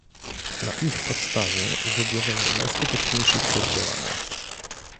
Na ich podstawie wybierzemy najskuteczniejszy tryb działania